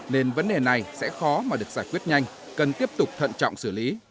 nên vấn đề này sẽ khó mà được giải quyết nhanh cần tiếp tục thận trọng xử lý